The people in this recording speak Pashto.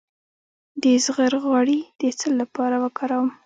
د زغر غوړي د څه لپاره وکاروم؟